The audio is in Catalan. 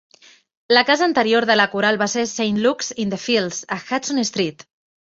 La casa anterior de la coral va ser Saint Luke's in the Fields, a Hudson Street.